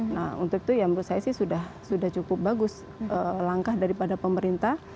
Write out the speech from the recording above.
nah untuk itu ya menurut saya sih sudah cukup bagus langkah daripada pemerintah